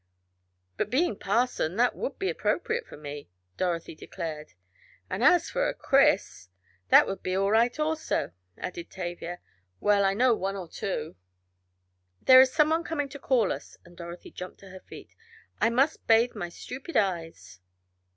"But being Parson that would be appropriate for me," Dorothy declared. "And for a Chris! That would be all right also," added Tavia. "Well, I know one or two." "There is someone coming to call us," and Dorothy jumped to her feet. "I must bathe my stupid eyes."